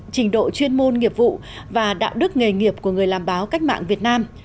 trình độ chuyên môn nghiệp vụ và đạo đức nghề nghiệp của người làm báo cách mạng việt nam